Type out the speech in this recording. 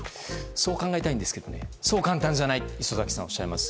そう考えたいんですけどそう簡単じゃないと礒崎さんはおっしゃいます。